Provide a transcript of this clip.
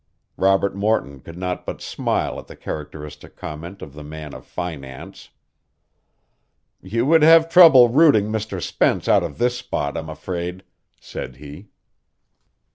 Robert Morton could not but smile at the characteristic comment of the man of finance. "You would have trouble rooting Mr. Spence out of this spot, I'm afraid," said he. "Mr.